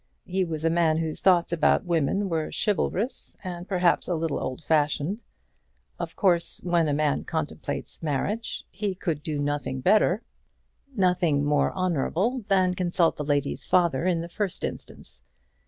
He was a man whose thoughts about women were chivalrous, and perhaps a little old fashioned. Of course, when a man contemplates marriage, he could do nothing better, nothing more honourable, than consult the lady's father in the first instance.